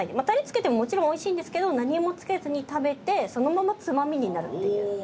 タレつけてももちろんおいしいんですけど何もつけずに食べてそのままつまみになるっていう。